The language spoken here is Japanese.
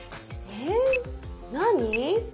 え何？